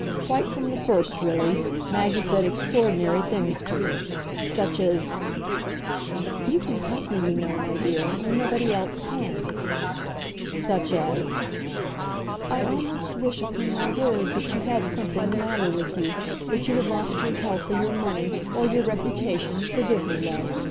Quite from the first, really, Maggie said extraordinary things to her, such as "You can help me, you know, my dear, when nobody else can;" such as "I almost wish, upon my word, that you had something the matter with you, that you had lost your health, or your money, or your reputation (forgive me, love!)